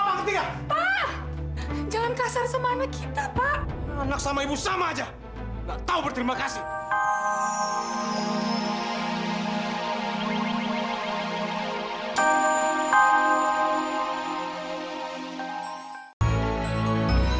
perhiasannya mau diapain pak mau bawa jual mau dijual untuk apa bertambah modal tapi pak